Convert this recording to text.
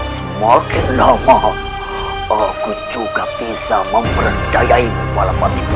semakin lama aku juga bisa memberdayaimu palapati